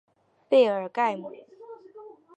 贝尔盖姆。